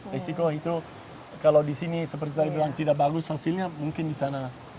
risiko itu kalau di sini seperti tadi bilang tidak bagus hasilnya mungkin di sana